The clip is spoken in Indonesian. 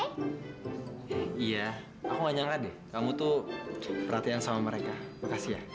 iya aku ngajak ade kamu tuh perhatian sama mereka makasih ya